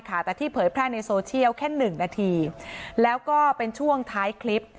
แต่ที่เผยแพร่ในโซเชียลแค่หนึ่งนาทีแล้วก็เป็นช่วงท้ายคลิป